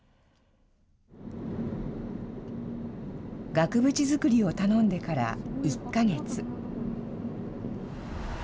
額縁作りを頼んでから１か月。